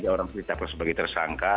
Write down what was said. tiga orang kita tetapkan sebagai tersangka